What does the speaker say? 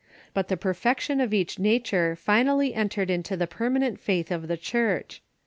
But the perfection of each nat ure finally entered into the permanent faith of the Church.